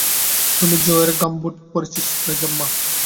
তুই জো এর গামবুট পড়েছিস, বেজন্মা!